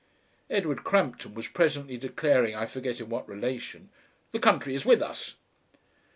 Edward Crampton was presently declaring I forget in what relation: "The country is with us."